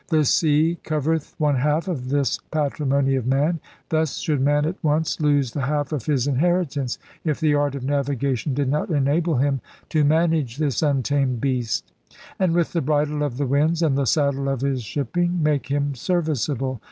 The sea covereth one half of this patrimony of man. Thus should man at once lose the half of his inheritance if the art of navigation did not enable him to manage this untamed beast; and with the bridle of the winds and the saddle of his shipping make him serviceable.